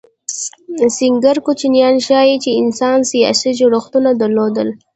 سنګیر کوچنیان ښيي، چې انسان سیاسي جوړښتونه درلودل.